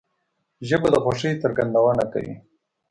ژبه د خوښۍ څرګندونه کوي